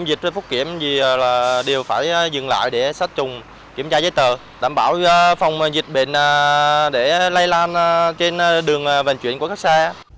để lây lan trên đường vận chuyển của các xe